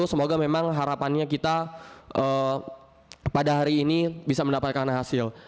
semoga memang harapannya kita pada hari ini bisa mendapatkan hasil